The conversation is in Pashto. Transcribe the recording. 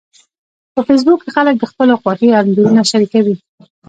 په فېسبوک کې خلک د خپلو خوښیو انځورونه شریکوي